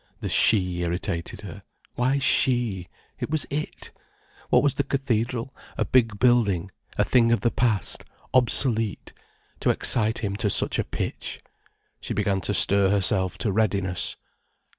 The "she" irritated her. Why "she"? It was "it". What was the cathedral, a big building, a thing of the past, obsolete, to excite him to such a pitch? She began to stir herself to readiness.